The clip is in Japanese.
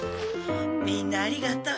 みんなありがとう。